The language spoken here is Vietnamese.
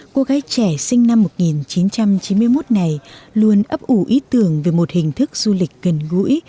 cô gái trẻ sinh năm một nghìn chín trăm chín mươi một này luôn ấp ủ ý tưởng về một hình thức du lịch gần gũi